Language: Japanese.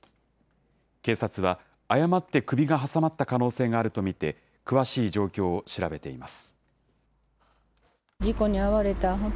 警察は、誤って首が挟まった可能性があると見て、詳しい状況を調べています。